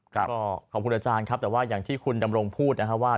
ก็ขอบคุณอาจารย์ครับแต่ว่าอย่างที่คุณดำรงพูดนะครับว่า